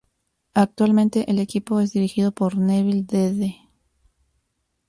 Actualmente el equipo es dirigido por Nevil Dede.